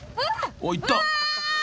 ［おっいった］